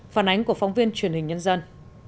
phản ánh của phóng viên truyền hình nhân dân